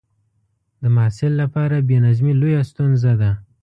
د محصل لپاره بې نظمي لویه ستونزه ده.